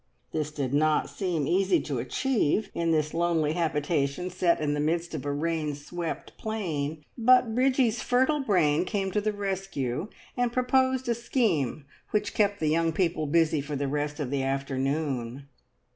This did not seem easy to achieve, in this lonely habitation set in the midst of a rain swept plain, but Bridgie's fertile brain came to the rescue, and proposed a scheme which kept the young people busy for the rest of the afternoon.